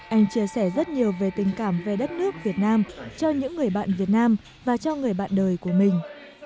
anh chia sẻ rất nhiều về tình cảm về đất nước việt nam cho những người bạn việt nam và cho người bạn đời của mình